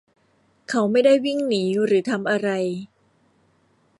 เขาไม่ได้วิ่งหนีหรือทำอะไร